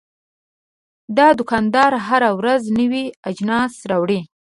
دا دوکاندار هره ورځ نوي اجناس راوړي.